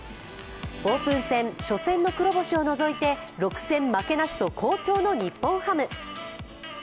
オープン戦、初戦の黒星を除いて、６戦負けなしと好調の日本ハム。